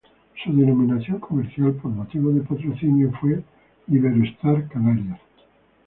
Su denominación comercial, por motivos de patrocinio, fue Iberostar Canarias.